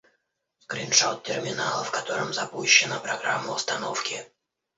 Скриншот терминала, в котором запущена программа установки